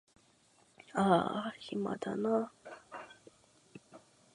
あーあ暇だな